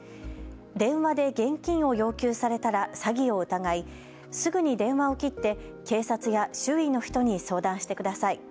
電話で現金を要求されたら詐欺を疑い、すぐに電話を切って警察や周囲の人に相談してください。